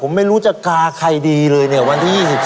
รักทุกคน